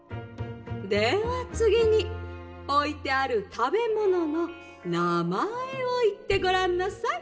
「ではつぎにおいてあるたべもののなまえをいってごらんなさい」。